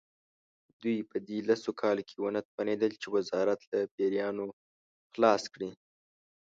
دوی په دې لسو کالو کې ونه توانېدل چې وزارت له پیریانو خلاص کړي.